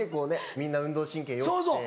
みんな運動神経よくて。